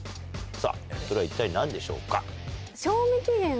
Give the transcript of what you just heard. さぁそれは一体何でしょうか？